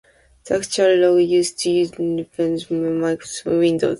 The actual logo used depends on the version of Microsoft Windows.